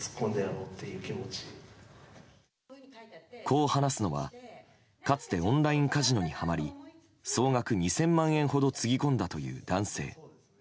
こう話すのはかつてオンラインカジノにはまり総額２０００万円ほどつぎ込んだという男性。